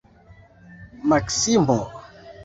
Maksimo!